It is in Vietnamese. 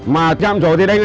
mà trạm trổ thì đây